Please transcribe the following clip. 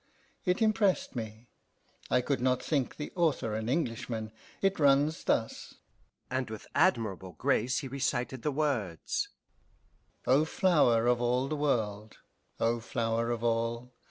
It impressed me. I could not think the author an Englishman. It runs thus," and with admirable grace he recited the words: "O flower of all the world, O flower of all!